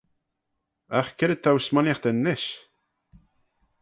Agh c'red t'ou smooniaghtyn nish?